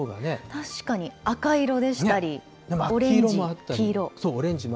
確かに赤色でしたり、オレンジ、黄色。